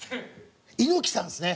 猪木さんですね。